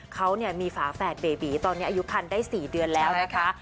เขามีฝาแฝดเบบีตอนนี้อายุคันได้๔เดือนแล้วนะคะ